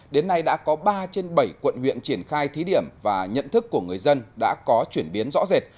đến nay đã có ba trên bảy quận huyện triển khai thí điểm và nhận thức của người dân đã có chuyển biến rõ rệt